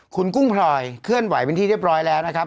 คุณกุ้งพลอยเคลื่อนไหวเป็นที่เรียบร้อยแล้วนะครับ